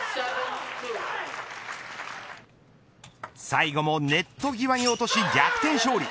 最後もネット際に落とし逆転勝利。